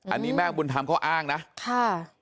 อันนี้แม่บุญธรรมเขาอ้างนะค่ะ